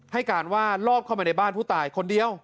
ให้การว่าลอบเข้ามาในบ้านผู้ตายคนเดียว